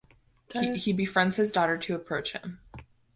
He befriends his daughter to approach him.